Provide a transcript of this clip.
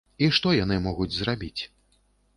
І што яны могуць зрабіць?